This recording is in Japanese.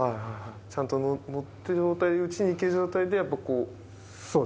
ちゃんと乗ってる状態で打ちにいける状態で、やっぱりこう。